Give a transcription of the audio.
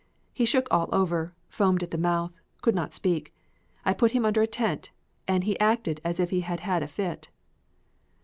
He shook all over, foamed at the mouth, could not speak. I put him under a tent, and he acted as if he had a fit.